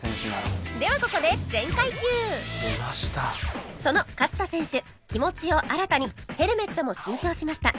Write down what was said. ではここでその勝田選手気持ちを新たにヘルメットも新調しました